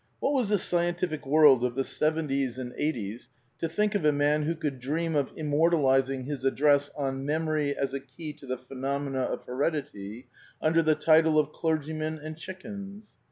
What was the scientific world of the 'seventies and 'eighties to think of a man who could dream of immortalizing his Address on " Memory as a Key to the Phenomena of Heredity" under the title of Clergyman and Chickens?